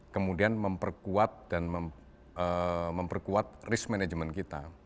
kemudian memperkuat dan memperkuat risk management kita